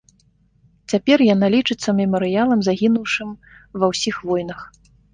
Цяпер яна лічыцца мемарыялам загінуўшым ва ўсіх войнах.